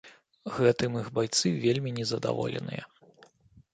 Гэтым іх байцы вельмі незадаволеныя.